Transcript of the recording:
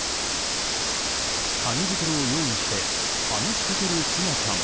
紙袋を用意して話しかける姿も。